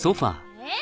え！